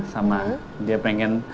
sama dia pengen